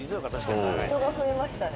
人が増えましたね。